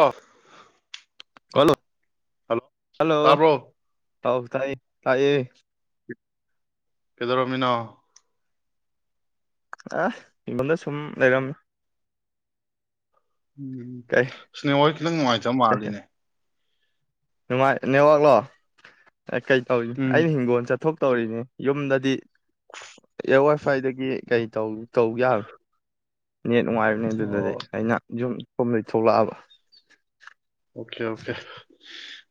ꯑꯣ [unintelligible] hello hello ꯇꯥꯔꯕ꯭ꯔꯣ ꯍꯥꯎ ꯇꯥꯏꯌꯦ ꯇꯥꯏꯌꯦ ꯀꯩꯗꯧꯔꯃꯤꯅꯣ ꯑ ꯏꯕꯗ ꯁꯨꯝ ꯂꯩꯔꯝ ꯎꯝ ꯀꯩ ꯑꯁ ꯅꯦꯠꯋꯥꯛꯁꯦ ꯈꯤꯇꯪ ꯅꯨꯡꯉꯥꯏꯇꯕ ꯃꯥꯜꯂꯤꯅꯦ ꯅꯨꯡꯉꯥꯏ ꯅꯦꯠꯋꯥꯛꯂꯣ ꯍꯥꯏꯐꯦꯠ ꯇꯧꯏ ꯎꯝ ꯑꯩꯩꯅ ꯍꯤꯡꯒꯣꯜ ꯆꯠꯊꯣꯛ ꯇꯧꯔꯤꯅꯦ ꯌꯨꯝꯗꯗꯤ ꯑꯦꯌꯔ ꯋꯥꯏ ꯐꯥꯏꯗꯒꯤ ꯀꯩ ꯇꯧ ꯌꯥꯕꯣ ꯅꯦꯠ ꯅꯨꯡꯉꯥꯏꯕꯅꯦ ꯑꯗꯨꯗꯗꯤ ꯑꯣ ꯑꯩꯅ ꯌꯨꯝ ꯌꯨꯝꯗꯩ ꯊꯣꯛꯂꯛꯑꯕ ꯑꯣꯀꯦ ꯑꯣꯀꯦ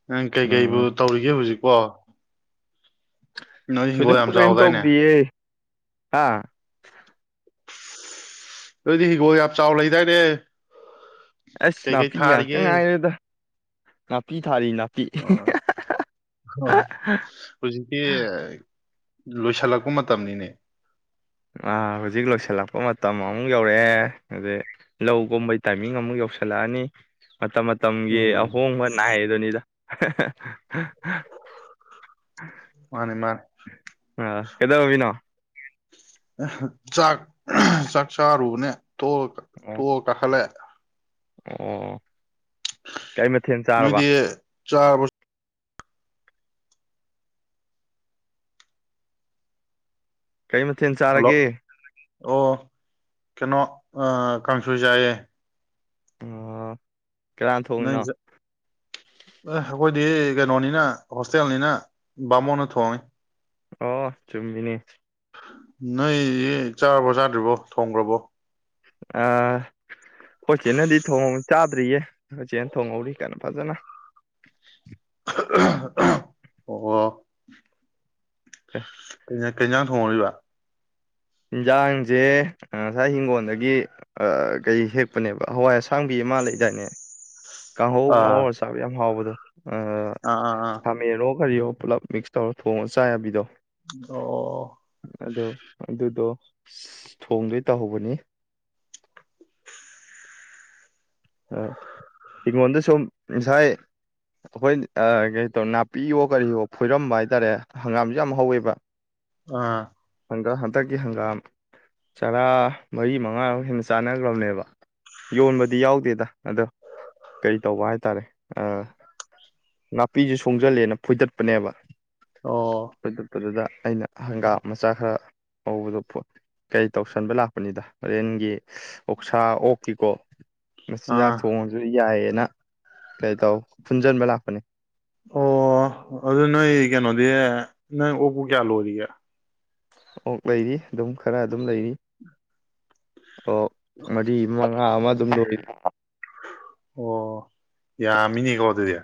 ꯅꯪ ꯀꯩꯀꯩꯕꯨ ꯎꯝ ꯇꯧꯔꯤꯒꯦ ꯍꯧꯖꯤꯛ ꯄꯣ ꯊꯣꯏꯗꯣꯛꯄ ꯀꯩꯝ ꯆꯥꯎꯗꯥꯏꯅꯦ ꯇꯧꯗꯌꯦ ꯍꯥ ꯅꯣꯏꯗꯤ ꯍꯤꯒꯣꯜ ꯌꯥꯝ ꯆꯥꯎ ꯂꯩꯗꯥꯏꯅꯦ ꯑꯁ ꯀꯩꯀꯩ ꯅꯥꯄꯤ ꯉꯥꯛꯇ ꯊꯥꯔꯤꯒꯦ ꯉꯥꯏꯔꯦꯗ ꯅꯄꯤ ꯊꯥꯔꯤ ꯅ ꯑꯣ ꯍꯧꯖꯤꯛꯀꯤ ꯂꯣꯏꯁꯤꯜꯂꯛꯄ ꯃꯇꯝꯅꯤꯅꯦ ꯑꯥ ꯍꯧꯖꯤꯛ ꯂꯣꯏꯁꯤꯜꯂꯛꯄ ꯃꯇꯝ ꯑꯃꯨꯛ ꯌꯧꯔꯛꯑꯦ ꯑꯗꯩ ꯂꯧꯒꯨꯝꯕꯩ ꯇꯥꯏꯃꯤꯡ ꯑꯃꯨꯛ ꯌꯧꯁꯤꯜꯂꯛꯑꯅꯤ ꯃꯇꯝ ꯃꯇꯝꯒꯤ ꯎꯝ ꯑꯍꯣꯡꯕ ꯅꯥꯏꯗꯨꯅꯤꯗ ꯃꯥꯅꯤ ꯃꯥꯅꯤ [unintelligible] ꯑꯥ ꯀꯩꯗꯧꯔꯝ ꯃꯤꯅꯣ꯫ ꯆꯥꯛ ꯆꯥꯛ ꯆꯥꯔꯨꯅꯦ ꯇꯣ ꯑꯣ ꯇꯣ ꯀꯥꯈꯠꯂꯦ ꯑꯣ ꯀꯩ ꯃꯊꯦꯜ ꯆꯥꯔꯕ ꯅꯣꯏꯗꯤ ꯆꯥꯔꯕ ꯀꯩ ꯃꯊꯦꯜ ꯍꯜꯂꯣ ꯆꯥꯔꯒꯦ ꯑꯣ ꯀꯩꯅꯣ ꯀꯟꯁꯣꯏ ꯌꯥꯥꯏꯌꯦ ꯑꯣ ꯀꯅꯥꯅ [inaudible] ꯊꯣꯡꯉꯤꯅꯣ [unintelligible] ꯑꯗꯨꯗꯤ ꯀꯩꯅꯣꯅꯤꯅ ꯍꯣꯁꯇꯦꯜꯅꯤꯅ ꯕꯥꯃꯣꯟꯅ ꯊꯣꯡꯉꯤ ꯑꯣ ꯆꯨꯝꯃꯤꯅꯤ ꯅꯣꯏ ꯆꯥꯔꯕꯣ ꯆꯥꯗ꯭ꯔꯤꯕꯣ ꯊꯣꯡꯈ꯭ꯔꯕꯣ ꯑ ꯈꯣꯏꯆꯦꯅꯗꯤ ꯊꯣꯡꯍ ꯆꯥꯗ꯭ꯔꯤꯌꯦ ꯈꯣꯏꯆꯦꯅ ꯊꯣꯡꯍꯧꯔꯤ ꯀꯩꯅꯣ ꯐꯖꯅ [unintelligible] ꯑꯣ [inaudible] ꯀꯩ ꯏꯁꯥꯡ ꯊꯣꯡꯍꯧꯔꯤꯕ ꯌꯦꯟꯁꯥꯡꯁꯦ ꯉꯁꯥꯏ ꯏꯤꯡꯒꯣꯜꯗꯒꯤ ꯀꯩ ꯍꯦꯛꯄꯅꯦꯕ ꯍꯋꯥꯏ ꯑꯁꯥꯡꯕꯤ ꯃꯥ ꯂꯩꯗꯥꯏꯅꯦ ꯀꯥꯡꯍꯧ ꯑꯥ ꯉꯧꯔꯥ ꯆꯥꯕ ꯌꯥꯝ ꯍꯥꯎꯕꯗꯣ ꯑ ꯑꯥ ꯑꯥ ꯑꯥ ꯊꯃꯦꯔꯣ ꯀꯔꯤꯌꯣ ꯄꯨꯂꯞ ꯃꯤꯛꯁ ꯇꯧꯔꯣ ꯊꯣꯡꯉꯣ ꯆꯥ ꯌꯥꯕꯤꯗꯣ ꯑꯗꯣ ꯑꯗꯨꯗꯣ ꯊꯣꯡꯗꯩ ꯇꯧ ꯍꯧꯕꯅꯤ ꯍꯤꯉꯣꯟꯗ ꯁꯨꯝ ꯉꯁꯥꯏ ꯑꯩꯈꯣꯏ ꯀꯩꯇꯧꯔ ꯅꯥꯄꯤꯌꯣ ꯀꯔꯤꯌꯣ ꯐꯣꯏꯔꯝꯕ ꯍꯥꯏꯇꯥꯔꯦ ꯍꯪꯒꯥꯝꯁꯨ ꯌꯥꯝ ꯍꯧꯋꯦꯕ ꯑꯥ ꯍꯪꯒꯥ ꯍꯟꯗꯛꯀꯤ ꯍꯪꯒꯥꯝ ꯆꯔꯥ ꯃꯔꯤ ꯃꯉꯥꯔ ꯍꯦꯟꯅ ꯆꯥꯟꯅꯈ꯭ꯔꯕꯅꯦꯕ ꯌꯣꯟꯕꯗꯤ ꯌꯥꯎꯗꯦꯗ ꯑꯗꯣ ꯀꯩ ꯇꯧꯕ ꯍꯥꯏꯇꯥꯔꯦ ꯅꯥꯄꯤꯁꯦ ꯁꯣꯡꯖꯜꯂꯦꯅ ꯐꯣꯏꯗꯠꯄꯅꯦꯕ ꯑꯣ ꯐꯣꯏꯗꯠꯄ ꯗꯨꯗ ꯑꯩꯅ ꯍꯪꯒꯥꯝ ꯃꯆꯥ ꯈꯔ ꯍꯧꯕꯗꯣ ꯀꯩ ꯇꯧꯁꯟꯕ ꯂꯥꯛꯄꯅꯤꯗ ꯍꯣꯔꯦꯟꯒꯤ ꯑꯣꯛꯁꯥ ꯑꯣꯛ ꯀꯤꯀꯣ ꯃꯆꯤꯟꯖꯥꯛ ꯑꯥ ꯑꯣ ꯊꯣꯡꯉꯁꯨ ꯌꯥꯏꯌꯦ ꯂꯩ ꯇꯣ ꯄꯨꯟꯖꯟꯕ ꯅꯦ ꯑꯣ ꯑꯗꯨ ꯅꯣꯏ ꯀꯩꯅꯣꯗꯤ ꯅꯪ ꯑꯣꯛꯄꯨ ꯀꯌꯥ ꯂꯣꯏꯔꯤꯒꯦ ꯑꯣꯛ ꯂꯩꯔꯤ ꯑꯗꯨꯝ ꯈꯔ ꯑꯗꯨꯝ ꯂꯩꯔꯤ ꯑꯣ ꯃꯔꯤ ꯃ ꯃꯉꯥ ꯑꯗꯨꯝ ꯂꯣꯏꯔꯤ ꯑꯣ ꯌꯥꯝꯃꯤꯅꯦꯀꯣ ꯑꯗꯨꯗꯤ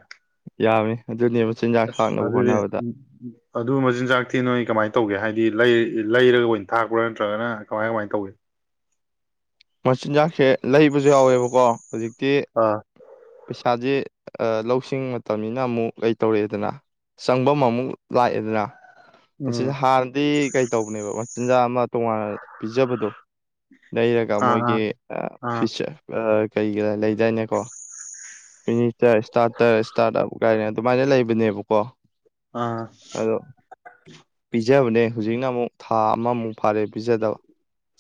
ꯌꯥꯃꯤ ꯑꯗꯨꯅꯦꯕ ꯆꯤꯟꯖꯥꯛ ꯑꯁ ꯊꯥꯛꯅꯕ ꯑꯗꯨꯗꯤ ꯍꯣꯠꯅꯕꯗ ꯎ ꯑꯗꯨ ꯃꯆꯤꯟꯖꯥꯛ ꯊꯤ ꯅꯣꯏ ꯀꯃꯥꯏꯅ ꯇꯧ ꯇꯧꯒꯦ ꯍꯥꯏꯗꯤ ꯂꯩꯔꯒ ꯑꯣꯏꯅ ꯊꯥꯛꯄ꯭ꯔꯥ ꯅꯠꯇ꯭ꯔꯒꯅ ꯀꯃꯥꯏ ꯀꯃꯥꯏꯅ ꯇꯧꯒꯦ ꯃꯆꯤꯟꯁꯦ ꯂꯩꯕꯁꯨ ꯌꯥꯎꯋꯦꯕꯀꯣ ꯍꯧꯖꯤꯛꯇꯤ ꯑꯥ ꯄꯩꯁꯥꯁꯦ ꯂꯧꯁꯤꯡ ꯃꯇꯝꯅꯤꯅ ꯑꯃꯨꯛ ꯀꯩꯇꯧꯔꯛꯑꯦꯗꯅ ꯆꯪꯐꯝ ꯑꯃꯨꯛ ꯂꯥꯛꯑꯦꯗꯅ ꯃꯁꯤꯁ ꯎꯝ ꯍꯥꯟꯅꯗꯤ ꯀꯩ ꯇꯧꯕꯅꯦꯕ ꯆꯤꯟꯖꯥꯛ ꯑꯃ ꯇꯣꯉꯥꯟꯅ ꯄꯤꯖꯕꯗꯣ ꯂꯩꯔꯒ ꯃꯣꯏꯒꯤ ꯑꯥ ꯑꯥ ꯐꯆ ꯀꯩꯒ ꯂꯩꯗꯥꯏꯅꯦꯀꯣ ꯐꯤꯅꯤꯆꯔ ꯏꯁꯇꯥꯔꯇꯔ ꯏꯁꯇꯥꯔꯠ ꯑꯞ ꯀꯥꯏꯅ ꯑꯗꯨꯃꯥꯏꯅ ꯂꯩꯕꯅꯦꯕꯀꯣ ꯑꯥ ꯖꯕꯅꯦ ꯍꯧꯖꯤꯛꯅ ꯑꯃꯨꯛ ꯊꯥ ꯑꯃꯃꯨꯛ ꯐꯥꯔꯦꯕ ꯄꯤꯖꯥꯗꯥꯥꯕ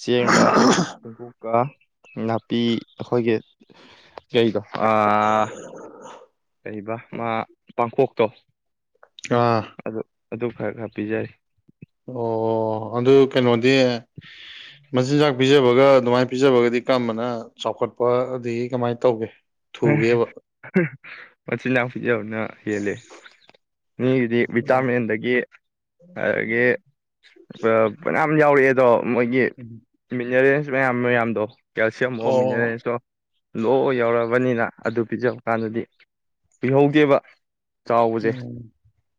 ꯆꯦꯡꯒ ꯆ‌ꯦꯡꯀꯨꯛ ꯀꯥ ꯅꯥꯄꯤ ꯑꯩꯈꯣꯏꯒꯤ ꯀꯩꯗꯣ ꯑꯥ ꯑꯥ ꯀꯩꯕ ꯃꯥ ꯄꯥꯡꯈꫭꯛꯇꯣ ꯑꯥ ꯑꯗꯨ ꯈꯔ ꯈꯔ ꯄꯤꯖꯔꯤ ꯑꯣ ꯑꯗꯨ ꯀꯩꯅꯣꯗꯤ ꯃꯆꯤꯟꯖꯥꯛ ꯄꯤꯖꯕꯒ ꯑꯗꯨꯃꯥꯏꯅ ꯄꯤꯖꯕꯒꯗꯤ ꯀꯔꯝꯕꯅ ꯆꯥꯎꯈꯠꯄ ꯑꯗꯒꯤ ꯀꯃꯥꯏꯅ ꯇꯧꯒꯦ ꯊꯨꯒꯦꯕ [unintelligible] ꯃꯆꯤꯟꯖꯥꯛ ꯄꯤꯖꯕꯅ ꯍꯦꯜꯂꯦ ꯃꯤꯒꯤꯗꯤ ꯑꯣ ꯚꯤꯇꯥꯃꯤꯟꯗꯒꯤ ꯑꯗꯒꯤ ꯐꯅꯥꯝ ꯌꯥꯎꯔꯛꯑꯦ ꯗꯣ ꯃꯣꯏꯒꯤ ꯃꯤꯟꯅꯔꯦꯜ ꯃꯌꯥꯝ ꯃꯌꯥꯝꯗꯣ ꯀꯦꯜꯁꯤꯌꯝ ꯑꯣ ꯃꯤꯟꯅꯌꯦꯜꯂ‌ꯦ ꯂꯣꯏꯅ ꯌꯥꯎ ꯄꯥꯅꯤꯅ ꯑꯗꯨ ꯄꯤꯖꯕ ꯀꯥꯟꯗꯗꯤ ꯀꯨꯏꯧꯍꯧꯗꯦꯕ ꯎꯝ ꯑꯣ ꯆꯥꯎꯕꯖ‌ꯦ ꯎꯝ.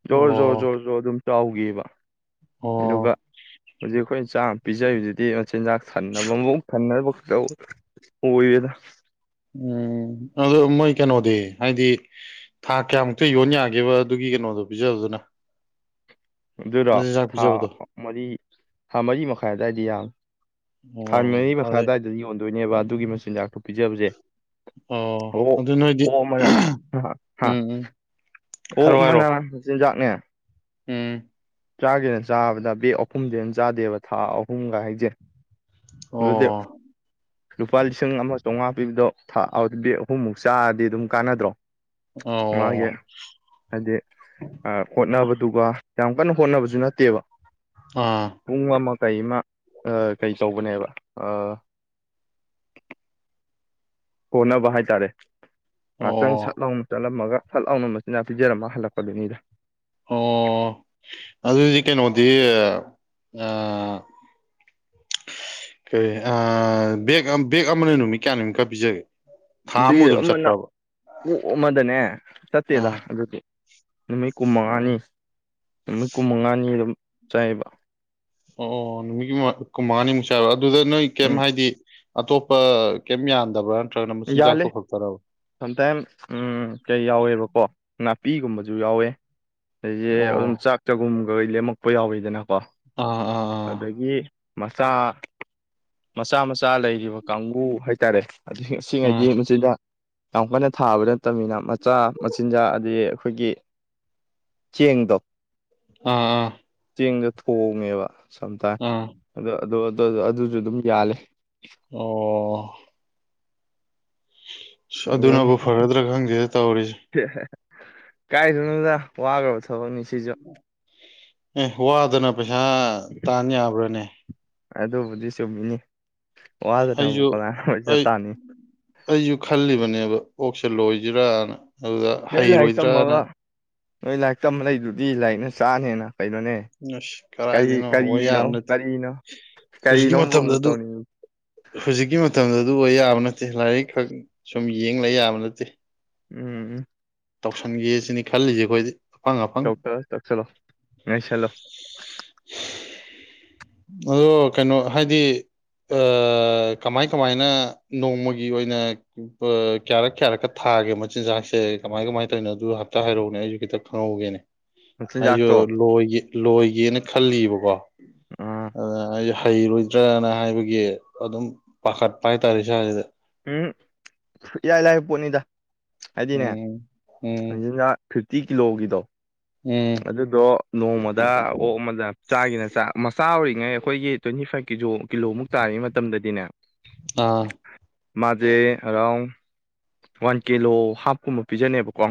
ꯖꯣꯔ ꯖꯣꯔ ꯑꯣ ꯖꯣꯔ ꯖꯣꯔ ꯑꯗꯨꯝ ꯆꯥꯎꯒꯤꯕ ꯑꯗꯨꯒ ꯑꯣ ꯍꯧꯖꯤꯛ ꯑꯩꯈꯣꯏꯅ ꯆꯥ ꯄꯤꯖꯥꯔꯤꯗꯨꯗꯤ ꯃ ꯆꯤꯟꯖꯥꯛ ꯊꯟꯅꯕ ꯃꯕꯨꯛ ꯊꯟꯅꯕ ꯇꯧ ꯑꯣꯏꯌꯦꯗ ꯎꯝ ꯑꯗꯣ ꯃꯣꯏ ꯀꯩꯅꯣꯗꯤ ꯍꯥꯏꯗꯤ ꯊꯥ ꯀꯌꯥꯃꯨꯛꯇ ꯌꯣꯟ ꯌꯥꯒꯦꯕ ꯑꯗꯨꯒꯤ ꯀꯩꯅꯣꯗꯣ ꯄꯤꯖꯕꯗꯨꯅ ꯑꯗꯨꯔꯣ ꯃꯆꯤꯟꯖꯥꯛ ꯊꯥ ꯄꯤꯖꯕꯗꯣ ꯑ ꯃꯔꯤ ꯊꯥ ꯃꯔꯤ ꯃꯈꯥꯏ ꯑꯗꯥꯏꯗꯤ ꯌꯥꯝꯕꯅꯤ ꯊꯥ ꯑꯣ ꯃꯔꯤꯃꯈꯥꯏ ꯑꯗꯩ ꯑꯗ꯭ꯋꯥꯏꯗꯗꯤ ꯌꯣꯟ ꯗꯣꯏꯅꯦꯕ ꯑꯗꯨꯒꯤ ꯃꯆꯤꯟꯖꯥꯛꯇꯨ ꯄꯤꯖꯕꯁꯦ ꯑꯣ ꯑꯣꯛ ꯑꯗꯨ ꯅꯣꯏꯗꯤ ꯑꯣꯛ ꯑꯃꯅ ꯍ ꯍꯥ ꯎꯝ ꯎꯝ ꯑꯣꯛ ꯑꯃꯅ ꯃꯆꯤꯟꯖꯥꯛ ꯅꯦ ꯎꯝ ꯆꯥꯒꯦꯅ ꯆꯥꯕꯗ ꯕꯦꯛ ꯑꯍꯨꯝꯗꯩ ꯍꯦꯟ ꯆꯥꯗꯦꯕ ꯊꯥ ꯑꯍꯨꯝꯒꯥ ꯍꯥꯏꯖꯦ ꯎꯝ ꯑꯗꯨꯗꯤ ꯂꯨꯄꯥ ꯂꯤꯁꯤꯡ ꯑꯃ ꯆꯧꯉꯥ ꯄꯤꯕꯗꯣ ꯊꯥ ꯑꯗꯨꯗꯤ ꯑꯍꯨꯝꯃꯨꯛ ꯆꯥꯔꯗꯤ ꯑꯗꯨꯝ ꯀꯥꯟꯅꯗ꯭ꯔꯣ ꯑꯣ ꯑꯣ ꯃꯥꯒꯤ ꯍꯥꯏꯗꯤ ꯑ ꯍꯣꯠꯅꯕꯗꯨꯒ ꯌꯥꯝ ꯀꯟꯅ ꯍꯣꯠꯅꯕꯁꯨ ꯅꯠꯇꯦꯕ ꯑꯥ ꯄꯨꯡ ꯑꯃ ꯀꯩꯃ ꯑ ꯀꯩꯇꯧꯕꯅꯦꯕ ꯑ ꯀꯣꯟꯅꯕ ꯍꯥꯏꯇꯥꯔꯦ ꯉꯥꯛꯇꯪ ꯁꯠ ꯑꯣ ꯂꯥꯎꯅ ꯆꯠꯂꯝꯃꯒ ꯁꯠ ꯂꯥꯎꯅ ꯃꯆꯤꯟꯖꯥꯛ ꯄꯤꯖꯔꯝꯃ ꯍꯜꯂꯛꯄꯗꯨꯅꯤꯗ ꯑꯣ ꯑꯗꯨꯗꯤ ꯀꯩꯅꯣꯗꯤ ꯑ ꯀꯔꯤ ꯑ ꯕꯦꯛ ꯑꯝ ꯕꯦꯛ ꯑꯃꯅ ꯅꯨꯃꯤꯠ ꯀꯌꯥꯅꯤꯃꯨꯛꯀ ꯄꯤꯖꯒꯦ ꯊꯥ ꯑꯃꯨꯛ ꯕꯦꯛ ꯑꯗꯨꯝ ꯑꯃꯅ ꯆꯠꯄ꯭ꯔꯕ ꯑꯣꯛ ꯑꯃꯗꯅꯦ ꯆꯠꯇꯦꯗ ꯑꯥ ꯑꯗꯨꯗꯤ ꯅꯨꯃꯤꯠ ꯑꯣ ꯀꯨꯟꯃꯉꯥꯅꯤ ꯅꯨꯃꯤꯠ ꯀꯨꯟ ꯃꯉꯥꯅꯤꯔꯣꯝ ꯆꯥꯏꯌꯦꯕ ꯑꯣ ꯅꯨꯃꯤꯠ ꯀꯨꯟꯃꯉꯥꯅꯤ ꯃꯨꯛ ꯆꯂ ꯑꯗꯨꯗ ꯅꯣꯏ ꯀꯩꯝ ꯎꯝ ꯍꯥꯏꯗꯤ ꯑꯇꯣꯞꯄ ꯀꯩꯝ ꯌꯥꯗꯕ꯭ꯔꯥ ꯌꯥꯜꯂꯦ ꯁꯝꯇꯥꯏꯝ ꯎꯝ ꯀꯩ ꯌꯥꯎꯋꯦꯕꯀꯣ ꯉꯥ ꯄꯤꯒꯨꯝꯕꯁꯨ ꯌꯥꯎꯋꯦ ꯑꯩꯁꯦ ꯑꯗꯨꯝ ꯑꯣ ꯆꯥꯛ ꯆꯒꯨꯝ ꯍꯣꯏ ꯂꯦꯝꯃꯛꯄ ꯌꯥꯎꯋꯤꯗꯅ ꯀꯣ ꯑꯥ ꯑꯥ ꯑꯗꯒꯤ ꯃꯆꯥ ꯃꯆꯥ ꯃꯆꯥ ꯂꯩꯔꯤꯕ ꯀꯥꯡꯕꯨ ꯍꯥꯏꯇꯥꯔꯦ ꯑꯗꯍꯤ ꯑꯥ ꯁꯤꯉꯩꯗꯤ ꯑꯥ ꯃꯆꯤꯟꯖꯥꯛ ꯌꯥꯝ ꯀꯟꯅ ꯊꯥꯕ ꯅꯠꯇꯕꯅꯤꯅ ꯃꯆꯥ ꯃꯆꯤꯟꯖꯥꯛ ꯑꯥ ꯑꯩꯈꯣꯏꯒꯤ ꯆꯦꯡꯗꯣ ꯑꯥ ꯑꯥ ꯆꯦꯡꯗꯣ ꯊꯣꯡꯉꯦꯕ ꯁꯝꯇꯥꯝ ꯑꯥ ꯑꯗꯣ ꯑꯗꯨꯁꯨ ꯑꯗꯨꯝ ꯌꯥꯂꯦ ꯑꯣ ꯑ ꯑꯗꯨꯅꯤ ꯑꯗꯨꯅꯕꯨ ꯐꯔꯗ꯭ꯔꯥ ꯈꯪꯗꯦꯗ ꯇꯧꯔꯤꯁꯦ ꯀꯥꯏꯗꯩꯅꯣꯗꯥ ꯋꯥꯒꯔꯕ ꯊꯕꯛꯅꯤ ꯁꯤꯖꯨ ꯑꯦ ꯋꯥꯗꯅ ꯄꯩꯁꯥ ꯇꯥꯟ ꯌꯥꯕ꯭ꯔꯥꯅꯦ ꯑꯗꯨꯕꯨꯗꯤ ꯆꯨꯝꯃꯤꯅꯤ ꯑꯩꯁꯨ ꯋꯥꯗꯅꯕꯨ ꯀꯅꯥꯅ ꯑꯣꯏꯖ ꯑꯩ ꯇꯥꯅꯤ ꯑꯩꯁꯨ ꯈꯜꯂꯤꯕꯅꯦꯕ ꯑꯣꯛꯁꯦ ꯂꯣꯏꯁꯤꯔꯅ ꯑꯗꯨꯗ ꯅꯣꯏ ꯂꯥꯏꯔꯤꯛ ꯍꯩꯔꯣꯏꯗ꯭ꯔꯥꯅ ꯇꯝꯃꯒ ꯅꯣꯏ ꯂꯥꯏꯔꯤꯛ ꯇꯝꯕ ꯂꯩꯗꯨꯗꯤ ꯂꯥꯏꯔꯤꯛꯅ ꯆꯥꯅꯤꯅ ꯑꯁ ꯀꯗꯥꯥꯏꯗꯅꯣ ꯑꯣꯏ ꯀꯔꯤꯅꯣ ꯌꯥꯕ ꯅꯠꯇꯦ ꯀꯔꯤꯅꯣ ꯍꯧꯖꯤꯛꯀꯤ ꯀꯔꯤꯅꯣꯕ ꯃꯇꯝꯗ ꯑꯃꯨꯛ ꯑꯗꯨ ꯇꯧꯅꯤꯡꯉꯤ ꯍꯧꯖꯤꯛꯀꯤ ꯃꯇꯝꯗ ꯑꯗꯨ ꯑꯣꯏ ꯌꯥꯕ ꯅꯠꯇꯦ ꯂꯥꯏꯔꯤꯛ ꯈꯛ ꯁꯨꯝ ꯌꯦꯡ ꯂꯩ ꯌꯥꯕ ꯅꯠꯇꯦ ꯎꯝ ꯇꯧꯁꯟꯒꯦ ꯁꯤꯅꯤ ꯈꯜꯂꯤꯁꯦ ꯑꯩꯈꯣꯏ ꯇꯧꯁꯜꯂꯣ ꯇꯧꯁꯜꯂꯣ ꯅꯣꯝ ꯁꯜꯂꯣ ꯑꯗꯣ ꯀꯩꯅꯣ ꯍꯥꯏꯗꯤ ꯑꯥ ꯀꯃꯥꯏ ꯀꯃꯥꯏꯅ ꯅꯣꯡꯃꯒꯤ ꯑꯣꯏꯅ ꯀꯌꯥꯔꯛ ꯀꯌꯥꯔꯛꯀ ꯊꯥꯒꯦ ꯃꯆꯤꯟꯖꯥꯛꯁꯦ ꯀꯃꯥꯏ ꯀꯃꯥꯏꯅ ꯇꯧꯔꯤꯅꯣ ꯑꯗꯨ ꯑꯝꯇꯥ ꯍꯥꯏꯔꯛꯎꯅꯦ ꯑꯩꯁꯨ ꯈꯤꯇ ꯈꯪꯍꯧꯒꯦꯅꯦ ꯑꯩꯁꯨ ꯃꯆꯤꯟꯖꯥꯛꯇꯣ ꯂꯣꯏꯒꯦ ꯂꯣꯏꯒꯦꯅ ꯈꯜꯂꯤꯕꯀꯣ ꯑꯥ ꯑꯗꯨꯅ ꯑꯩꯁ ꯍꯩꯔꯣꯏꯗ꯭ꯔꯅ ꯍꯥꯏꯕꯒꯤ ꯑꯗꯨꯝ ꯄꯥꯈꯠꯄ ꯍꯥꯏꯇꯥꯔꯦ ꯏꯁꯥꯁꯤꯗ ꯎꯝ ꯏꯔꯥꯅ ꯂꯥꯏ ꯄꯣꯠꯅꯤꯗ ꯍꯥꯏꯗꯤꯅꯦ ꯎꯝ ꯎꯝ ꯃꯆꯤꯟꯖꯥꯛ ꯐꯤꯞꯇꯤ ꯀꯤꯂꯣꯒꯤꯗꯣ ꯎꯝ ꯑꯗꯨꯗꯣ ꯅꯣꯡꯃꯗ ꯑꯣꯛ ꯑꯃꯗ ꯆꯥꯒꯤꯅ ꯃꯆꯥ ꯑꯣꯏꯔꯤꯉꯩ ꯑꯩꯈꯣꯏꯒꯤ ꯇ꯭ꯋꯦꯟꯇꯤ ꯐꯥꯏꯞ ꯀꯤꯂꯣ ꯀꯤꯂꯣꯃꯨꯛ ꯇꯥꯔꯤꯉꯩ ꯃꯇꯝꯗꯗꯤꯅꯦ ꯑꯥ ꯃꯥꯖꯦ ꯑꯔꯥꯎꯟ ꯋꯥꯟ ꯀꯤꯂꯣ ꯍꯥꯞꯀꯨꯝꯕ ꯄꯤꯖꯅꯦꯕꯀꯣ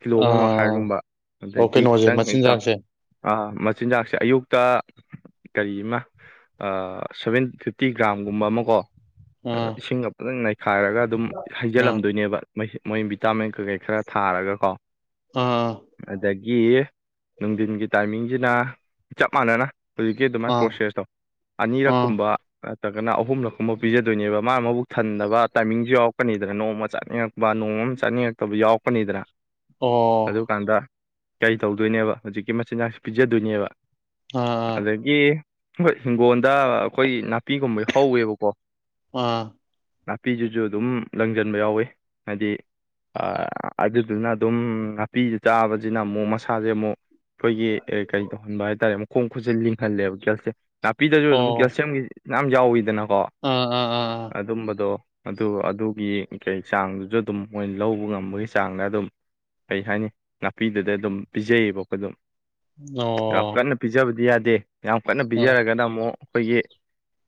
ꯀꯤꯂꯣ ꯑꯃ ꯑꯥ ꯃꯈꯥꯏꯒꯨꯝꯕ ꯑꯣ ꯑꯗꯩꯗꯤ ꯀꯩꯅꯣꯁꯦ ꯈꯤꯇꯪ ꯍꯦꯛꯇ ꯃꯆꯤꯟꯖꯥꯛꯁꯦ ꯃꯆꯤꯟꯖꯥꯛꯁꯦ ꯑꯌꯨꯛꯇ ꯀꯔꯤ ꯑꯃ ꯁꯚꯦꯟ ꯐꯤꯐꯇꯤ ꯒ꯭ꯔꯥꯝꯒꯨꯝꯕ ꯑꯃ ꯀꯣ ꯑ ꯑꯥ ꯏꯁꯤꯡꯒ ꯐꯖꯪ ꯅꯩꯈꯥꯏꯔꯒ ꯑꯗꯨꯝ ꯑꯥ ꯍꯩꯖꯤꯜꯂꯝꯗꯣꯏꯅꯦꯕ [inaudible] ꯃꯣꯏ ꯚꯤꯇꯥꯃꯤꯟ ꯀꯩꯀꯩ ꯈꯔ ꯊꯥꯔꯒ ꯀꯣ ꯑꯥ ꯑꯗꯒꯤ ꯅꯨꯡꯊꯤꯟꯒꯤ ꯇꯥꯏꯃꯤꯡꯁꯤꯅ ꯆꯞ ꯃꯥꯟꯅꯅ ꯍꯧꯖꯤꯛꯀꯤ ꯑꯗꯨꯃꯥꯏꯅ ꯑꯥ ꯄ꯭ꯔꯣꯁꯦꯁꯇꯣ ꯑꯥ ꯑꯅꯤꯔꯛꯀꯨꯝꯕ ꯇꯒꯅ ꯑꯍꯨꯝꯂ ꯀꯨꯝꯕ ꯄꯤꯖꯗꯣꯏꯅꯦꯕ ꯃꯥ ꯃꯕꯨꯛ ꯊꯟꯗꯕ ꯇꯥꯏꯃꯤꯡꯁꯨ ꯌꯥꯎꯔꯛꯀꯅꯤꯗꯅ ꯅꯣꯡꯃ ꯆꯥꯅꯤꯡꯉꯛꯄ ꯅꯣꯡꯃ ꯑꯃ ꯆꯥꯅꯤꯡꯉꯛꯇꯕ ꯌꯥꯎꯛꯀꯅꯤꯗꯅ ꯑꯣ ꯑꯗꯨꯀꯥꯟꯗ ꯀꯔꯤ ꯇꯧꯗꯣꯏꯅꯦꯕ ꯍꯧꯖꯤꯛꯀꯤ ꯃꯆꯤꯟꯖꯥꯛꯁꯨ ꯄꯤꯖꯗꯣꯏꯅꯦꯕ ꯑꯥ ꯑꯗꯒꯤ ꯍꯣꯏ ꯍꯤꯡꯒꯣꯜꯗ ꯑꯩꯈꯣꯏ ꯄꯄꯤꯒꯨꯝꯕꯩ ꯍꯧꯋꯦꯕꯀꯣ ꯑꯥ ꯅꯥꯄꯤꯁꯤꯁꯨ ꯑꯗꯨꯝ ꯂꯪꯁꯤꯟꯕ ꯌꯥꯎꯋꯤ ꯍꯥꯏꯗꯤ ꯑꯗꯨꯗꯨꯅ ꯑꯗꯨꯝ ꯅꯥꯄꯤꯁꯨ ꯆꯥꯕ ꯁꯤꯅ ꯑꯃꯨꯛ ꯃꯁꯥꯁꯦ ꯑꯃꯨꯛ ꯑꯩꯈꯣꯏꯒꯤ ꯀꯩ ꯇꯧꯍꯟꯕ ꯍꯥꯏꯇꯔꯦ ꯃꯈꯨ ꯈꯣꯡ ꯈꯨꯠꯁꯦ ꯂꯤꯡꯍꯜꯂꯦꯕ ꯗꯔꯒꯁꯦ ꯅꯥꯞꯄꯤꯗ꯭ꯔꯁꯨ ꯑꯗꯨꯝ ꯑꯣ ꯀꯦꯜꯁꯤꯌꯝꯒꯤ ꯃꯌꯥꯝ ꯌꯥꯎꯋꯤꯗꯅ ꯀꯣ ꯑꯥ ꯑꯥ ꯑꯥ ꯑꯗꯨꯝꯕꯗꯣ ꯑꯗꯨ ꯑꯗꯨꯒꯤ ꯀꯩ ꯆꯥꯡꯗꯨꯁꯨ ꯑꯗꯨꯝ ꯃꯣꯏꯅ ꯂꯧꯕ ꯉꯝꯕꯒꯤ ꯆꯥꯡꯗ ꯑꯗꯨꯝ ꯀꯩ ꯍꯥꯏꯅꯤ ꯅꯥꯄꯤꯗꯨꯗ ꯑꯗꯨꯝ ꯄꯤꯖꯩꯌꯦꯕ ꯑꯗꯨꯝ ꯌꯥꯝ ꯑꯣ ꯀꯟ ꯄꯤꯖꯕꯗꯤ ꯌꯗ ꯗꯦ ꯌꯥꯝ ꯀꯟꯅ ꯑꯥ ꯄꯤꯖꯔꯒꯅ ꯑꯃꯨꯛ ꯑꯩꯈꯣꯏꯒꯤ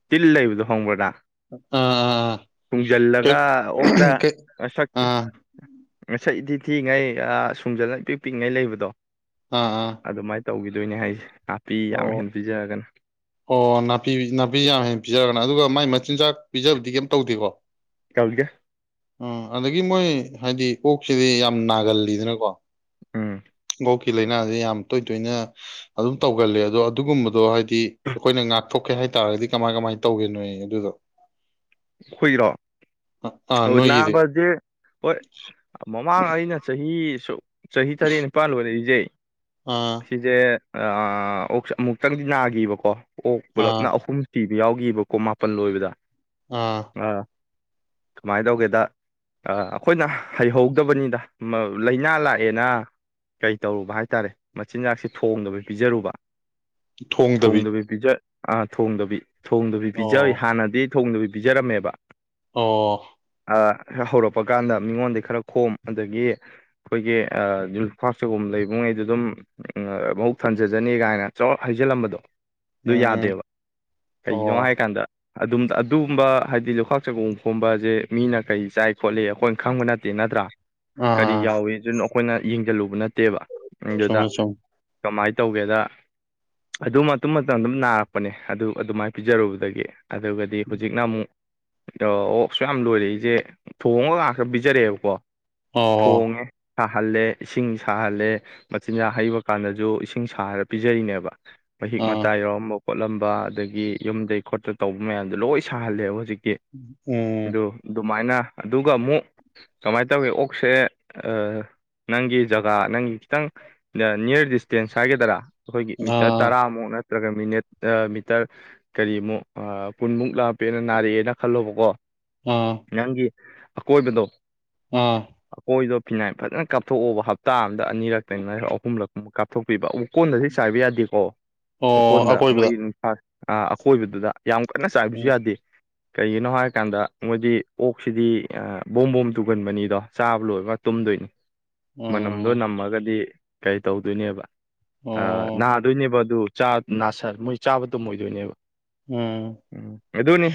ꯇꯤꯜ ꯂꯩꯕꯗꯣ ꯍꯪꯕ꯭ꯔꯥꯅ ꯑꯥ ꯑꯥ ꯑꯥ ꯀ ꯑꯥ ꯃꯁꯛ ꯔꯊꯤ ꯊꯤꯉꯩ ꯁꯨꯡꯖꯜꯂꯒ ꯄꯤꯛ ꯄꯤꯛꯉꯩ ꯂꯩꯕꯗꯣ ꯑꯥ ꯑꯥ ꯇꯧꯒꯤꯗꯣꯏꯅꯦ ꯍꯥꯏꯁꯦ ꯅꯥꯄꯤ ꯌꯥꯝ ꯑꯣ ꯍꯦꯟꯅ ꯄꯤꯖꯒꯅ ꯄꯄꯤ ꯌꯥꯝ ꯍꯦꯟꯅ ꯄꯤꯖꯔꯒꯅ ꯑꯗꯨꯒ ꯃꯥꯏ ꯃꯆꯤꯟꯖꯥꯛ ꯄꯤꯖꯕꯗꯤ ꯀꯩꯝ ꯇꯧꯗꯦꯀꯣ ꯇꯧꯗꯦ ꯑ ꯑꯗꯒꯤ ꯃꯣꯏ ꯍꯥꯏꯗꯤ ꯑꯣꯛꯁꯤꯗꯤ ꯌꯥꯝ ꯅꯥꯒꯜꯂꯤꯗꯅꯀꯣ ꯎꯝ ꯑꯣꯛꯀꯤ ꯂꯥꯏꯅꯁꯦ ꯌꯥꯝ ꯇꯣꯏ ꯇꯣꯏꯅ ꯑꯗꯨꯝ ꯇꯧꯒꯜꯂꯦ ꯑꯗꯣ ꯑꯗꯨꯒꯨꯝꯕꯗꯣ ꯍꯥꯏꯗꯤ ꯑꯩꯈꯣꯏꯅ ꯉꯥꯛꯊꯣꯛꯀꯦ ꯍꯥꯏꯇꯔꯒꯗꯤ ꯀꯃꯥꯏ ꯀꯃꯥꯏꯅ ꯇꯧꯒꯦꯅꯣ ꯑꯗꯨꯗ ꯈꯣꯏꯒꯤꯔꯣ ꯑꯣ ꯅꯣꯏꯒꯤꯗꯤ ꯅꯥꯕꯁꯦ ꯍꯣꯏ ꯃꯃꯥꯡ ꯑꯩꯅ ꯆꯍꯤ [unintelligible] ꯆꯍꯤ ꯇꯔꯦꯠ ꯅꯤꯄꯥꯜ ꯂꯣꯏꯔꯏꯁꯦ ꯑꯥ ꯁꯤꯁꯦ ꯑꯥ ꯑꯃꯨꯛꯇꯪꯗꯤ ꯅꯥꯈꯤꯕꯀꯣ ꯑꯣꯛ ꯑꯥ ꯄꯨꯂꯞꯅ ꯑꯍꯨꯝ ꯁꯤ ꯌꯥꯎꯈꯤꯕ ꯀꯣ ꯃꯥꯄꯥꯜ ꯂꯣꯏꯕꯗ ꯑꯥ ꯀꯃꯥꯏꯅ ꯇꯧꯒꯦꯗ ꯑꯩꯈꯣꯏꯅ ꯍꯩꯍꯧꯗꯕꯅꯤꯗ ꯂꯥꯏꯅꯥ ꯂꯥꯛꯑꯦꯅ ꯀꯩ ꯇꯧꯔꯨꯕ ꯍꯥꯏ ꯇꯔꯦ ꯃꯆꯤꯟꯖꯥꯛꯁꯦ ꯊꯣꯡꯗꯕꯤ ꯄꯤꯖꯔꯨꯕ ꯊꯣꯡꯗꯕꯤ ꯄꯤꯖ ꯑꯥ ꯊꯣꯡꯗꯕꯤ ꯊꯣꯡꯗꯕꯤ ꯄꯤꯖꯥꯏ ꯑꯣ ꯍꯥꯟꯅꯗꯤ ꯊꯣꯡꯗꯕꯤ ꯄꯤꯖꯔꯝꯃꯦꯕ ꯑꯣ ꯍꯧꯔꯛꯄ ꯀꯥꯟꯗ ꯃꯤꯉꯣꯟꯗꯒꯤ ꯈꯔ ꯈꯣꯝ ꯑꯗꯒꯤ ꯑꯩꯈꯣꯏꯒꯤ ꯖꯨꯐꯒꯨꯝ ꯂꯩꯕꯉꯩꯗ ꯑꯗꯨꯝ ꯃꯍꯕꯨꯛ ꯊꯟꯖꯖꯅꯤ ꯀꯥꯏꯅ ꯆꯥꯎ ꯍꯥꯏꯖꯤꯜꯂꯝꯕꯗꯣ ꯎꯝ ꯑꯗꯨ ꯎꯝ ꯌꯥꯗꯦꯕ ꯀꯩꯒꯤꯅꯣ ꯑꯣ ꯍꯥꯏꯀꯥꯟꯗ ꯑꯗꯨꯝ ꯑꯗꯨꯒꯨꯝꯕ ꯍꯥꯏꯗꯤ ꯂꯨꯈꯥꯛ ꯆꯒꯨꯝ ꯈꯣꯝꯕꯁꯦ ꯃꯤꯅ ꯀꯩ ꯆꯥꯏ ꯈꯣꯠꯂꯤ ꯑꯩꯈꯣꯏꯅ ꯈꯪꯕ ꯅꯠꯇꯦ ꯅꯠꯇ꯭ꯔꯥ ꯀꯔꯤ ꯑꯥ ꯌꯥꯎꯋꯤ ꯑꯗꯨ ꯑꯩꯈꯣꯏꯅ ꯌꯦꯡꯁꯤꯜꯂꯨꯕ ꯅꯠꯇꯦꯕ ꯑꯗꯨꯗ ꯆꯨꯝꯃꯦ ꯆꯨꯝꯃꯦ ꯀꯃꯥꯏꯅ ꯇꯧꯒꯦꯗ ꯑꯗꯨ ꯃꯇꯨꯡ ꯃꯇꯝ ꯑꯗꯨꯝ ꯅꯥꯔꯛꯄꯅꯦ ꯑꯗꯨ ꯑꯗꯨꯃꯥꯏꯅ ꯄꯤꯖꯔꯨꯕꯗꯒꯤ ꯑꯗꯨꯒꯗꯤ ꯍꯧꯖꯤꯛꯅ ꯑꯃꯨꯛ ꯗꯣ ꯑꯣꯛ ꯁꯨꯛ ꯌꯥꯝ ꯂꯣꯏꯔꯛꯏꯁꯦ ꯊꯣꯡꯉꯒ ꯉꯥꯛ ꯄꯤꯖꯔꯛꯑꯦꯕꯀꯣ ꯑꯣ ꯊꯣꯡꯉꯦ ꯁꯥꯍꯜꯂꯦ ꯏꯁꯤꯡ ꯁꯥꯍꯜꯂꯦ ꯃꯆꯤꯟꯖꯥꯛ ꯍꯩꯕ ꯀꯥꯟꯗꯁꯨ ꯏꯁꯤꯡ ꯁꯥꯔꯔ ꯄꯤꯖꯔꯤꯅꯦꯕ ꯃꯍꯤꯛ ꯑꯥ ꯃꯇꯥꯏ ꯌꯥꯎꯔꯝꯕ ꯈꯣꯠꯂꯝꯕ ꯑꯗꯒꯤ ꯌꯨꯝꯗꯩ ꯈꯣꯠꯇ ꯇꯧꯕ ꯃꯌꯥꯝꯗꯣ ꯂꯣꯏ ꯁꯥꯍꯜꯂꯦꯕ ꯍꯧꯖꯤꯛ ꯎꯝ ꯑꯗꯨ ꯑꯗꯨꯃꯥꯏꯅ ꯑꯗꯨꯒ ꯑꯃꯨꯛ ꯀꯃꯥꯏꯅ ꯇꯧꯏꯤ ꯑꯣꯛꯁꯦ ꯑꯥ ꯅꯪꯒꯤ ꯖꯒꯥ ꯅꯪꯒꯤ ꯈꯤꯇꯪ ꯅꯤꯌꯔ ꯗꯤꯁꯇꯦꯟꯁ ꯍꯥꯏꯒꯗꯔꯥ ꯑꯩꯈꯣꯏꯒꯤ ꯃꯤꯇꯔ ꯑꯥ ꯇꯔꯥꯃꯨꯛ ꯅ ꯅꯠꯇ꯭ꯔꯒ ꯃꯤꯅꯦꯠ ꯃꯤꯇꯔ ꯀꯔꯤꯃꯨꯛ ꯄꯨꯟꯃꯨꯛ ꯂꯥꯞ ꯅꯥꯔꯛꯑꯦꯅ ꯈꯜꯂꯣꯕꯀꯣ ꯑꯥ ꯅꯪꯒꯤ ꯑꯀꯣꯏꯕꯗꯣ ꯑꯥ ꯐꯤꯅꯥꯏꯟ ꯐꯖꯅ ꯀꯥꯞꯊꯣꯛꯑꯣꯕ ꯍꯞꯇꯥ ꯑꯝꯗ ꯑꯅꯤꯔꯛꯇꯪ ꯅ ꯑꯍꯨꯝꯂꯛꯀꯨꯝꯕ ꯀꯥꯞꯊꯣꯛꯄꯤꯕ ꯑꯣꯛꯀꯣꯟꯗꯗꯤ ꯆꯥꯏꯕ ꯌꯥꯗꯦꯀꯣ ꯑꯣ ꯑꯣꯀꯣꯟꯗ ꯑꯀꯣꯏꯕꯗ ꯃꯣꯏꯒꯤ ꯅꯨꯡꯁꯥ ꯑ ꯑꯀꯣꯏꯕꯗꯨꯗ ꯌꯥꯝ ꯀꯟꯅ ꯆꯥꯏꯕꯁꯨ ꯎꯝ ꯌꯥꯗꯦ ꯀꯩꯒꯤꯅꯣ ꯍꯥꯏꯔꯀꯥꯟꯗ ꯃꯣꯏꯗꯤ ꯑꯣꯛꯁꯤꯗꯤ ꯑ ꯕꯣꯝꯕꯣꯝ ꯇꯨꯒꯟꯕꯅꯤꯗꯣ ꯆꯥꯕ ꯂꯣꯏꯕꯒ ꯇꯨꯝꯗꯣꯏꯅꯤ ꯃꯅꯝꯗꯣ ꯑꯣ ꯅꯝꯃꯒꯗꯤ ꯀꯩ ꯇꯧꯗꯣꯏꯅꯦꯕ ꯑ ꯑꯣ ꯅꯥꯗꯨꯏꯅꯤꯕ ꯑꯗꯨ ꯆꯥ ꯅꯥꯁꯔ ꯃꯣꯏ ꯆꯥꯕ ꯇꯩꯝꯃꯣꯏꯗꯣꯏꯅꯦꯕ ꯎꯝ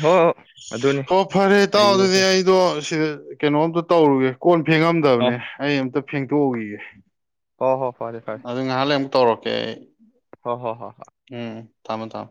ꯍꯣꯏ ꯍꯣꯏ ꯑꯗꯨꯅꯤ ꯍꯣ ꯐꯔꯦ ꯏꯇꯥꯎ ꯑꯩꯒꯤ ꯑꯗꯨꯗꯤ ꯑꯩꯗꯣ ꯁꯤꯗ ꯀꯩꯅꯣꯝꯇ ꯇꯧꯔꯨꯒꯦ ꯀꯣꯟ ꯍꯣ ꯐꯦꯡꯉꯝꯗꯕꯅꯦ ꯑꯩ ꯑꯝꯇ ꯐꯦꯡꯇꯣꯛꯎꯒꯤꯒꯦ ꯍꯣ ꯍꯣ ꯐꯔꯦ ꯐꯔꯦ ꯇꯧꯔꯛꯀꯦ ꯑꯩ ꯍꯣ ꯍꯣ ꯍꯣ ꯍꯣ ꯎꯝ ꯊꯝꯃꯣ ꯊꯝ